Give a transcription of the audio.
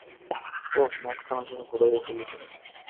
উঃ, মাঠখানা যেন ঘুরাইয়া ফেলিতেছে!